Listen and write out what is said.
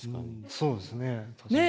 そうですね。